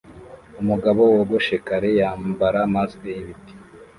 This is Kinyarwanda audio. Umugabo wogoshe kare yambara mask yibiti